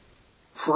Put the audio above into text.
そう。